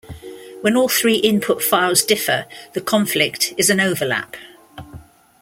When all three input files differ, the conflict is an overlap.